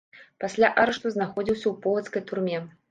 Пасля арышту знаходзіўся ў полацкай турме.